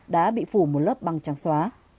đã bị phủ một lớp băng trắng xóa